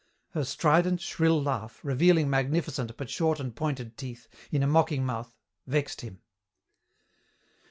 Her strident, shrill laugh, revealing magnificent, but short and pointed teeth, in a mocking mouth, vexed him.